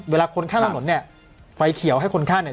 เวลาคนข้างถนนไฟเขียวให้คนข้างเนี่ย